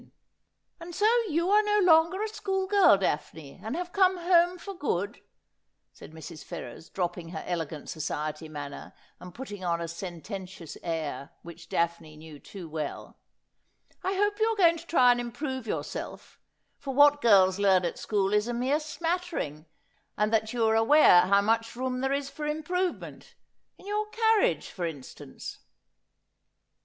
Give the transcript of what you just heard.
74 Asphodel. ' And so you are no longer a school girl, Daphne, and have come home for good,' said Mrs. Ferrers, dropping her elegant society manner and putting on a sententious air, which Daphne knew too well. ' I hope you are going to try to improve your self — for what girls learn at school is a mere smattering — and that you are aware how much room there is for improvement — in your carriage, for instance.'